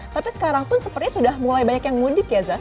tapi sekarang pun sepertinya sudah mulai banyak yang mudik ya zah